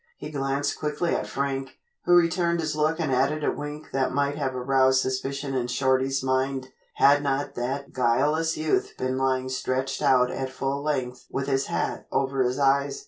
He glanced quickly at Frank, who returned his look and added a wink that might have aroused suspicion in Shorty's mind, had not that guileless youth been lying stretched out at full length with his hat over his eyes.